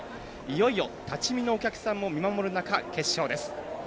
いよいよ立ち見のお客さんも見守る中決勝です。